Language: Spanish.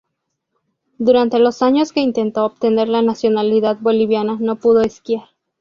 Durante los años que intentó obtener la nacionalidad boliviana no pudo esquiar.